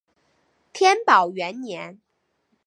天宝元年。